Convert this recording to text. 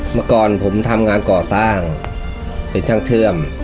เมื่อก่อนผมทำงานก่อสร้างเป็นช่างเชื่อม